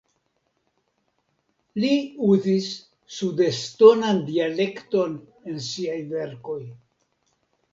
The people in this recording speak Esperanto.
Li uzis sudestonan dialekton en siaj verkoj.